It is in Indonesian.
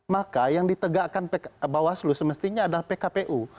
maka yang ditegakkan bawaslu semestinya adalah pkpu